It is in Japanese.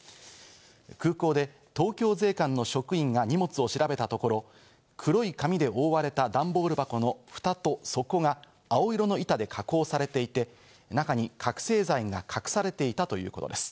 空港で東京税関の職員が荷物を調べたところ、黒い紙で覆われたダンボール箱のふたと、底が青色の板で加工されていて、中に覚醒剤が隠されていたということです。